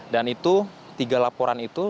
dan itu tiga laporan itu